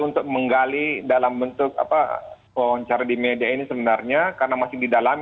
ini adalah fakta sebenarnya mbak